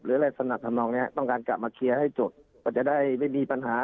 อะไรสนับทำนองเนี้ยต้องการกลับมาเคลียร์ให้จบก็จะได้ไม่มีปัญหา